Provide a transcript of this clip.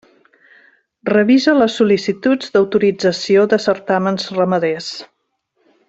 Revisa les sol·licituds d'autorització de certàmens ramaders.